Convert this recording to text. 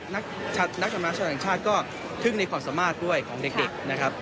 นักนักนักธรรมนาชาวอังกฤษก็ทึ่งในความสามารถด้วยของเด็กเด็กนะครับ